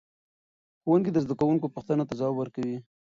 ښوونکي د زده کوونکو پوښتنو ته ځواب ورکوي.